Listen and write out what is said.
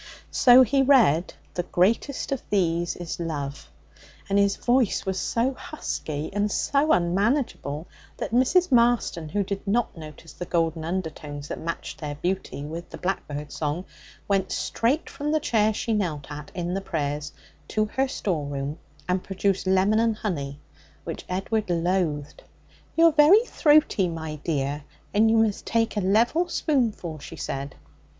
So he read, 'The greatest of these is love,' and his voice was so husky and so unmanageable that Mrs. Marston, who did not notice the golden undertones that matched their beauty with the blackbird's song, went straight from the chair she knelt at in the prayers to her store room, and produced lemon and honey, which Edward loathed. 'You're very throaty, my dear, and you must take a level spoonful,' she said.